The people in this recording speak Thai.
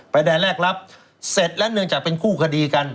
ใดแลกรับเสร็จและเนื่องจากเป็นคู่คดีกัน